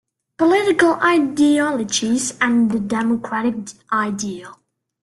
Political Ideologies and the Democratic Ideal.